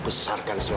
bahwa taka buah